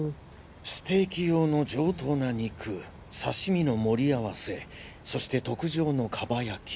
ステーキ用の上等な肉刺身の盛り合わせそして特上の蒲焼き